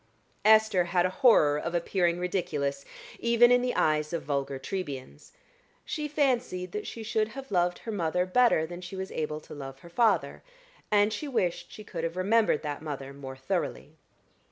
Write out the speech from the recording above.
Esther had a horror of appearing ridiculous even in the eyes of vulgar Trebians. She fancied that she should have loved her mother better than she was able to love her father; and she wished she could have remembered that mother more thoroughly.